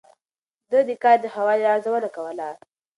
ده د کار د ښه والي ارزونه کوله.